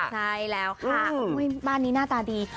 ใช่แล้วค่ะบ้านนี้หน้าตาดี